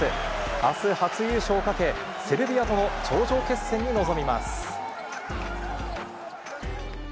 あす、初優勝をかけ、セルビアとの頂上決戦に臨みます。